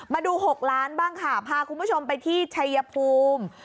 มาดู๖ล้านบ้างค่ะพาคุณผู้ชมไปที่ชัยภูมิ